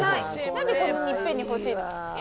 何でこんなにいっぺんにほしいの？